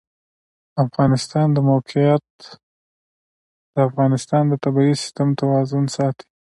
د افغانستان د موقعیت د افغانستان د طبعي سیسټم توازن ساتي.